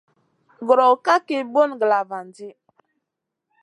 Gro ka ki bùn glavandi.